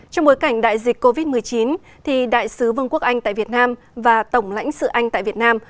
trong bối cảnh đại dịch covid một mươi chín đại sứ vương quốc anh tại việt nam và tổng lãnh sự anh tại việt nam